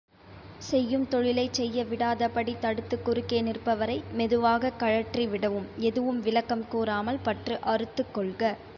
செய்யும் தொழிலைச் செய்யவிடாதபடி தடுத்துக் குறுக்கே நிற்பவரை மெதுவாகக் கழற்றிவிடவும் எதுவும் விளக்கம் கூறாமல் பற்று அறுத்துக் கொள்க.